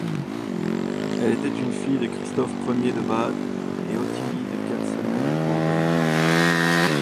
Elle était une fille de Christophe Ier de Bade et Ottilie de Katzenelnbogen.